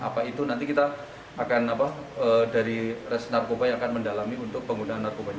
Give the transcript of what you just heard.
apa itu nanti kita akan apa dari res narkoba yang akan mendalami untuk penggunaan narkobanya